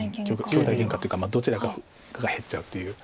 兄弟げんかというかどちらかが減っちゃうという。